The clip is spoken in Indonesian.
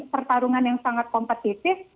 pertarungan yang sangat kompetitif